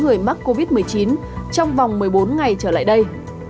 người mắc covid một mươi chín trong vòng một mươi bốn ngày trở lại đây